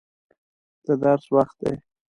د درس وخت دی.